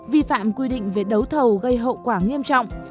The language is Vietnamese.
vi phạm quy định về đấu thầu gây hậu quả nghiêm trọng